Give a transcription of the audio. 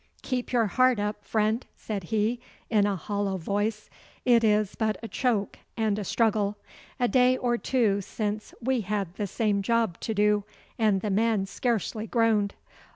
'Keep your heart up, friend,' said he, in a hollow voice. 'It is but a choke and a struggle. A day or two since we had the same job to do, and the man scarcely groaned.